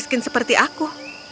orang miskin seperti aku